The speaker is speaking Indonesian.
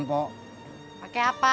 kau mau minum apa